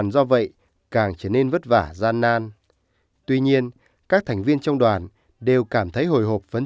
đoàn công tác thiện nguyện